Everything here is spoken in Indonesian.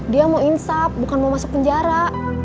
dia mau insaf bukan mau masuk penjara